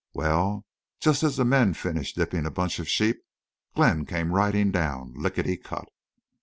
Well, just as the men had finished dipping a bunch of sheep Glenn came riding down, lickety cut."